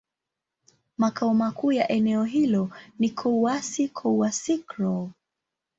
Makao makuu ya eneo hilo ni Kouassi-Kouassikro.